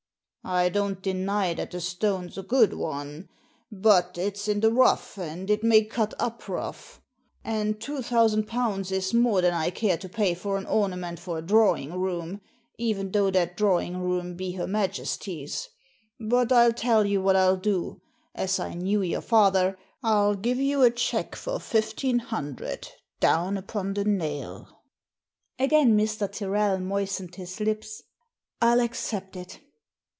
" I don't deny that the stone's a good one. But it's in the rough, and it may cut up rough. And two thousand pounds is more than I care to pay for an ornament for a drawing room, even though Digitized by VjOOQIC 198 THE SEEN AND THE UNSEEN that drawing room be Her Majesty's. But HI tell you what I'll do, as I knew your father, TU give you a cheque for fifteen hundred down upon the nail Again Mr. Tyrrel moistened his lips. « ril accept it."